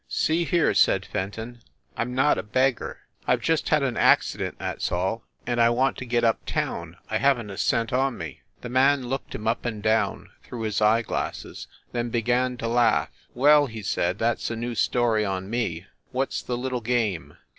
"See here," said Fenton, "I m not a beggar. I ve just had an accident, that s all, and I want to get up town. I haven t a cent on me." The man looked him up and down, through his eye glasses, then began to laugh. "Well," he said, "that s a new story on me. What s the little game